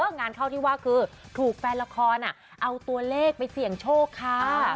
งานเข้าที่ว่าคือถูกแฟนละครเอาตัวเลขไปเสี่ยงโชคค่ะ